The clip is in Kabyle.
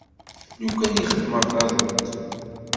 Lukan i xeddmeɣ taḍuṭ.